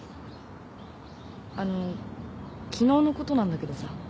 あの昨日のことなんだけどさ。